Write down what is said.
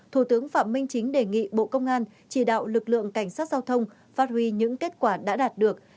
thủ tướng phạm minh chính đề nghị bộ công an chỉ đạo lực lượng cảnh sát giao thông phát huy những kết quả đã đạt được